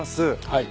はい。